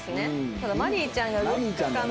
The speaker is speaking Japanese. ただマリーちゃんが動くかな？